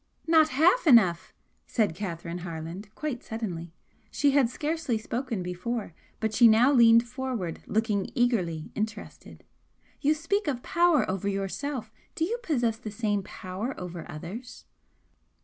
"Not half enough!" said Catherine Harland, quite suddenly she had scarcely spoken before, but she now leaned forward, looking eagerly interested "You speak of power over yourself, do you possess the same power over others?"